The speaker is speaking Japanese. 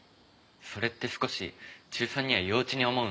それって少し中３には幼稚に思うのですが。